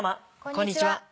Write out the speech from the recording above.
こんにちは。